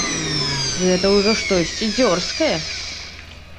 Гэта ўжо штосьці дзёрзкае.